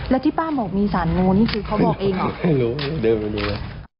นี่เขาบอกเองเดินมาดูเลย